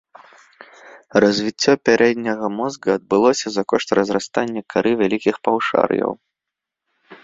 Развіццё пярэдняга мозга адбылося за кошт разрастання кары вялікіх паўшар'яў.